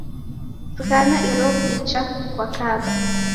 Zighana iro picha kwakaba